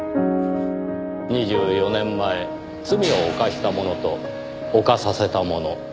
２４年前罪を犯した者と犯させた者。